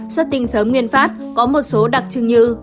xuất tinh sớm nguyên phát có một số đặc trưng như